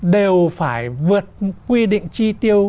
đều phải vượt quy định chi tiêu